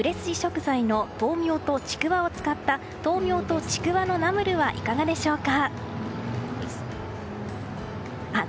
豆苗とちくわを使った豆苗とちくわのナムルはいかがでしょうか。